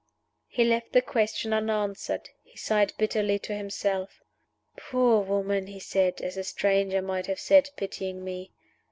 He left the question unanswered. He sighed bitterly to himself. "Poor woman!" he said, as a stranger might have said, pitying me.